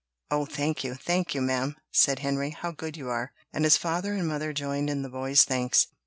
"Oh, thank you, thank you, ma'am," said Henry, "how good you are!" And his father and mother joined in the boy's thanks.